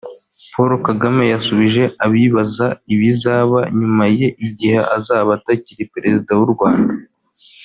Paul Kagame yasubije abibaza ibizaba nyuma ye igihe azaba atakiri Perezida w'u Rwanda